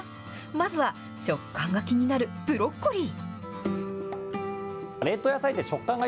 まずは食感が気になるブロッコリー。